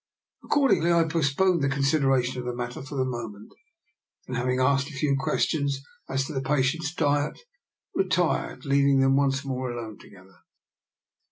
I accordingly postponed consideration of the matter for the moment, and, having asked a few questions as to the patient's diet, retired, leaving them once more alone together.